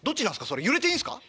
それ揺れていいんすか？